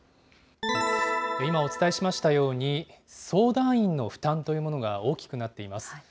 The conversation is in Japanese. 今お伝えしましたように、相談員の負担というものが大きくなっています。